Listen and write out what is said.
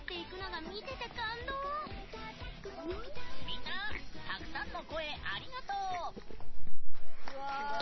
みんなたくさんの声、ありがとう！